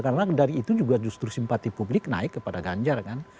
karena dari itu juga justru simpati publik naik kepada ganjar kan